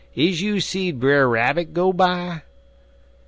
'Is you seed Brer Rabbit go by?'